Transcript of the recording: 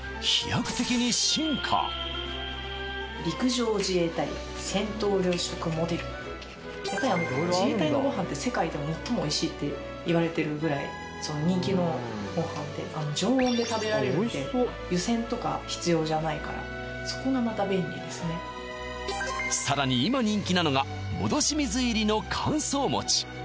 やっぱり自衛隊のご飯って世界でも最もおいしいっていわれてるぐらい人気のご飯で常温で食べられるので湯煎とか必要じゃないからそこがまた便利ですねさらに今人気なのが戻し水入りの乾燥餅